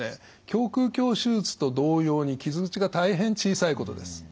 胸腔鏡手術と同様に傷口が大変小さいことです。